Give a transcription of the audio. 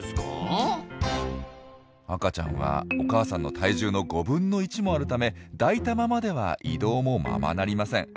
赤ちゃんはお母さんの体重の５分の１もあるため抱いたままでは移動もままなりません。